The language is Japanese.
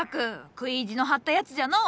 食い意地の張ったやつじゃのう！